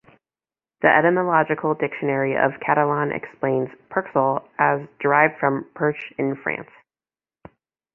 The etymological dictionary of Catalan explains "perxal" as "derived from Perche in France".